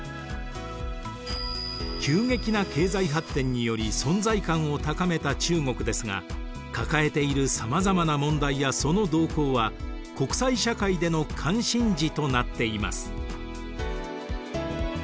急激な経済発展により存在感を高めた中国ですが抱えているさまざまな問題やその動向は国際社会での関心事となっています。